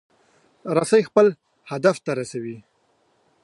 رسۍ خپل هدف ته رسوي.